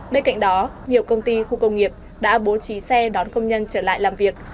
bên cạnh đó nhiều công ty khu công nghiệp đã bố trí xe đón công nhân trở lại làm việc